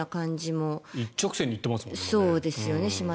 一直線に行っていますもんね。